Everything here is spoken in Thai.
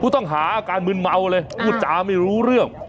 ต้องหาอาการมืนเมาเลยพูดจาไม่รู้เรื่อง